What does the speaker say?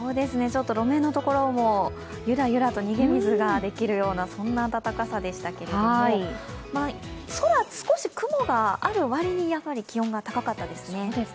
路面のところもゆらゆらと逃げ水ができるような暖かさでしたけれども空、少し雲がある割に気温が高かったですね。